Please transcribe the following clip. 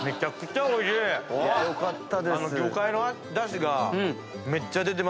よかったです。